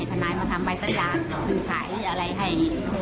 ให้ทนายมาทำใบตะยานซื้อขายอะไรให้